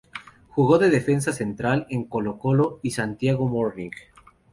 Jugó de defensa central en Colo-Colo y Santiago Morning.